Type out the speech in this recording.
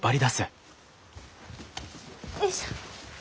よいしょ！